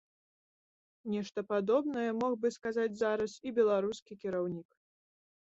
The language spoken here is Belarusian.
Нешта падобнае мог бы сказаць зараз і беларускі кіраўнік.